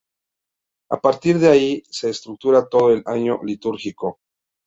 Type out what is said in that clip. A partir de ahí se estructura todo el año litúrgico.